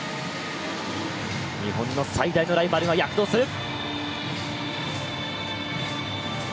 日本の最大のライバルが躍動する。